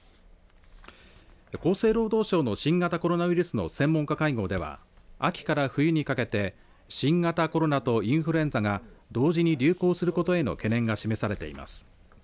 厚生労働省の新型コロナウイルスの専門家会合では秋から冬にかけて新型コロナとインフルエンザが同時に流行することへの懸念が示されています。